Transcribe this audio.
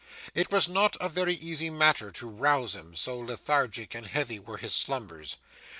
It was not a very easy matter to rouse him: so lethargic and heavy were his slumbers.